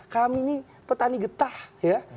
kami ini petani getah ya